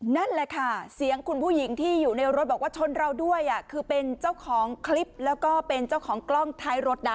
นั่นแหละค่ะเสียงคุณผู้หญิงที่อยู่ในรถบอกว่าชนเราด้วยคือเป็นเจ้าของคลิปแล้วก็เป็นเจ้าของกล้องท้ายรถนะ